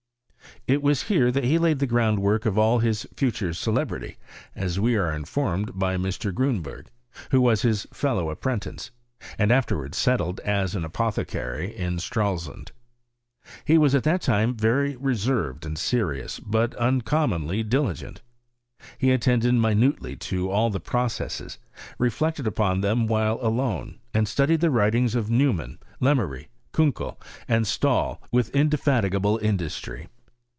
It was here that he laid the groundwork of alt his future celebrity, aa we are informed by Mf. Gmnberg, who was his fellow apprentice, suid af terwards settled aa an apothecary in Stralsund. H» ■was at that time very reserved and serious, but un commonly diligent. He attended minutely to all the processes, reflected upon them while alone, and studied the writings of Neumann, Lemery, Ku* kel, and Stahl, witli indefatigable industry.